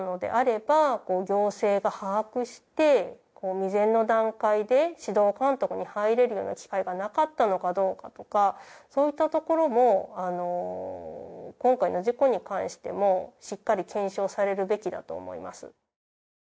未然の段階で指導監督に入れるような機会がなかったのかどうかとかそういったところも今回の事故に関してもしっかり検証されるべきだと思います。